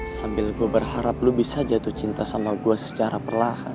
sambil gua berharap lu bisa jatuh cinta sama gua secara perlahan